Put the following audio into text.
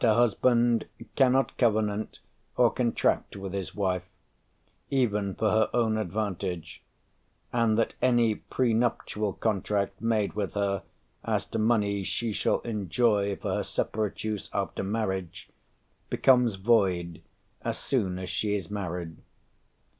husband cannot covenant or contract with his wife," even for her own advantage, and that any prenuptial contract made with her as to money she shall enjoy for her separate use after marriage, becomes void as soon as she is married.